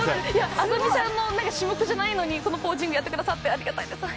薊さんの種目じゃないのにこのポージングやってくださってありがたいです。